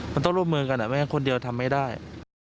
มันต้องร่วมมือกันไม่งั้นคนเดียวทำไม่ได้